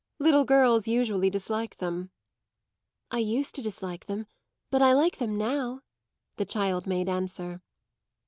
"Little girls usually dislike them." "I used to dislike them, but I like them now," the child made answer.